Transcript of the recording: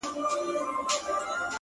o اوس په لمانځه کي دعا نه کوم ښېرا کومه،